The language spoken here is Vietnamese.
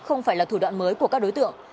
không phải là thủ đoạn mới của các đối tượng